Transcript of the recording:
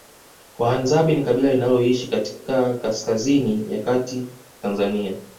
Wahadzabe ni kabila linaloishi katika kaskazini ya kati Tanzania